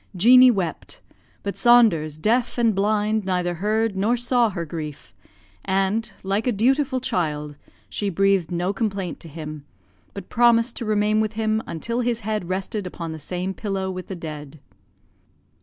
Jeanie wept but Saunders, deaf and blind, neither heard nor saw her grief, and, like a dutiful child, she breathed no complaint to him, but promised to remain with him until his head rested upon the same pillow with the dead.